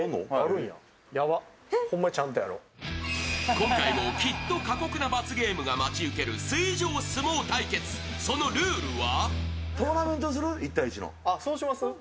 今回もきっと過酷な罰ゲームが待ち受ける水上相撲対決、そのルールは？